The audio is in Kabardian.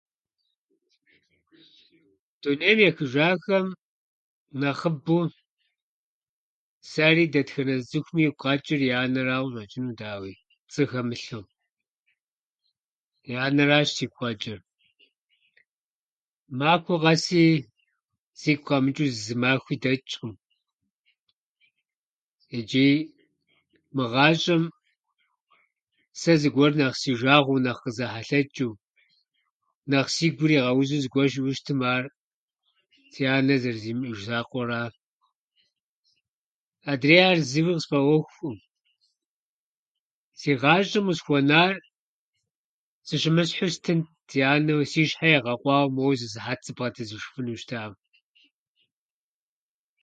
Дунейм ехыжахэм нэхъыбэу, сэри дэтхэнэ зы цӏыхуми, игу къэчӏыр и анэрауэ къыщӏэчӏыну, дауичӏ, пцӏы хэмылъу. Си анэращ сигу къэчӏыр. Махуэ къэси сигу къэмычӏыу зы махуи дэчӏкъым. Ичӏи мы гъащӏэм сэ зыгуэр нэхъ си жагъуэу, нэхъ къызэхьэлъэчӏыу, нэхъ си гур игъэузу зыгуэр щыӏэу щытмэ, ар си анэр зэрызимыӏэж закъуэра. Адрейхьэр зыуи къысфӏэӏуэхукъым. Си гъащӏэм къысхуэнар сыщымысхьу стынт, си анэм си щхьэр егъэкъуауэ, моуэ зы сыхьэт сыбгъэдэсыжыфыну щытам.